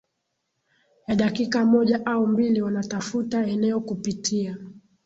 ya dakika moja au mbili Wanatafuta eneo kupitia